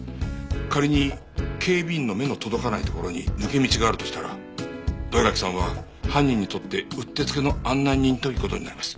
仮に警備員の目の届かない所に抜け道があるとしたら土居垣さんは犯人にとってうってつけの案内人という事になります。